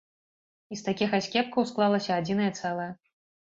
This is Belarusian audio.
І з такіх аскепкаў склалася адзінае цэлае.